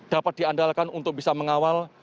dapat diandalkan untuk bisa mengawal